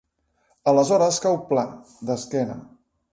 Aleshores cau pla, d'esquena.